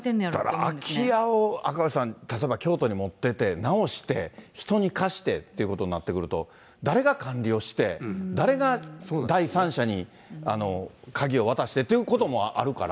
だから空き家を、赤星さん、例えば京都に持ってて直して人に貸してっていうことになってくると、誰が管理をして、誰が第三者に鍵を渡してってこともあるから。